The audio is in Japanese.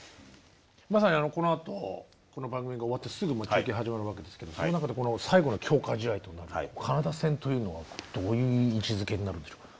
まさにこのあとこの番組が終わってすぐもう中継始まるわけですけどその中で最後の強化試合となるカナダ戦というのはどういう位置づけになるんでしょうか？